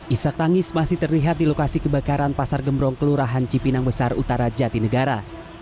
isak tangis masih terlihat di lokasi kebakaran pasar gembrong kelurahan cipinang besar utara jatinegara